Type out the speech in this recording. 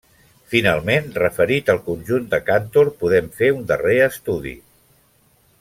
Finalment, referit al conjunt de Cantor, podem fer un darrer estudi.